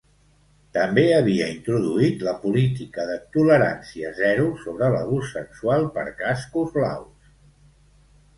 També havia introduït la política de tolerància zero sobre l'abús sexual per cascos blaus.